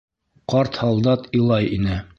Ҡарт һалдат илай ине.